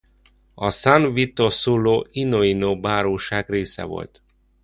A San Vito sullo Ionio báróság része volt.